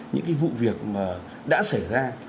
những vụ việc đã xảy ra